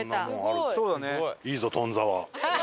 いいぞ富沢。